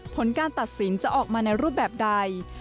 ผลการตัดสินจะออกมาในรูปแบบใด